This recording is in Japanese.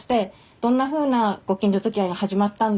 どんなふうなご近所づきあいが始まったんだよ